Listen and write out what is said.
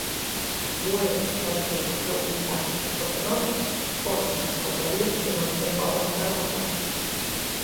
Bueu, Raxó, Lourizán e Portonovo foron das confrarías que máis tempo aguantaron o paro.